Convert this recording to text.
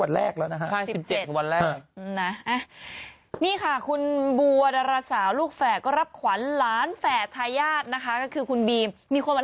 วันนี้ไหนบอกหน้าหนาววันแรกอู้วร้อน